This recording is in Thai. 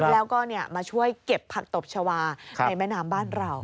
แล้วก็มาช่วยเก็บผักตบชาวาในแม่น้ำบ้านเรา